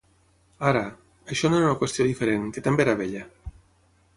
Ara; això no era una qüestió diferent, que també era vella.